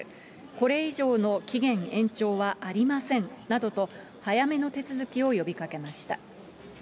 これ以上の期限延長はありませんなどと、早めの手続きを呼びかけました。